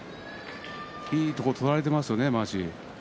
いいところを取られていますねまわし。